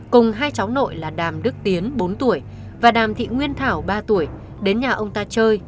cùng hai cháu nội là đàm đức tiến bốn tuổi và đàm thị nguyên thảo ba tuổi đến nhà ông ta chơi